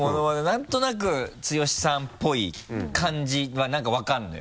なんとなく剛さんっぽい感じはなんか分かるのよ。